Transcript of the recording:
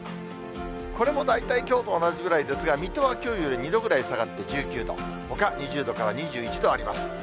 これも大体きょうと同じぐらいですが、水戸はきょうより２度ぐらい下がって１９度、ほか２０度から２１度あります。